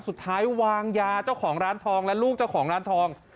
สุดท้ายวางยาเจ้าของร้านทองและลูกเจ้าของร้านทอง